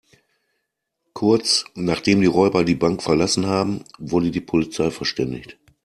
Kurz, nachdem die Räuber die Bank verlassen haben, wurde die Polizei verständigt.